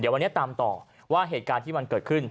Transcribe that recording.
วันนี้ตามต่อว่าเหตุการณ์ที่มันเกิดขึ้น